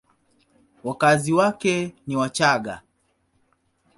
Wakazi wake ni Wachagga.